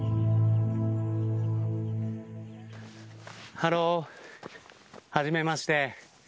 ハロー。はじめまして。